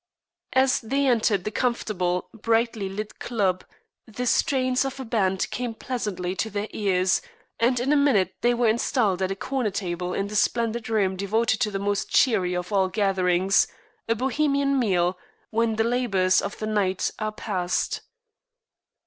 As they entered the comfortable, brightly lit club the strains of a band came pleasantly to their ears, and in a minute they were installed at a corner table in the splendid room devoted to the most cheery of all gatherings a Bohemian meal when the labors of the night are past.